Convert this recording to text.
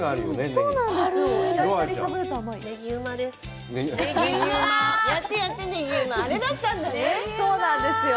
そうなんですよ。